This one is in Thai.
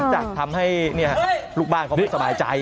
จากทำให้ลูกบ้านเขาไม่สบายใจ